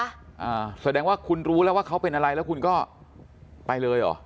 อ่าแสดงว่าคุณรู้แล้วว่าเขาเป็นอะไรแล้วคุณก็ไปเลยเหรอ